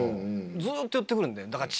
ずっと言って来るんで。